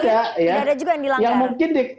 tidak ada juga yang dilanggar